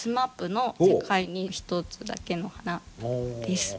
ＳＭＡＰの「世界に一つだけの花」です。